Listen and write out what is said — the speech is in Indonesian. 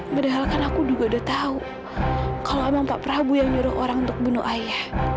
padahal kan aku juga udah tahu kalau emang pak prabowo yang nyuruh orang untuk bunuh ayah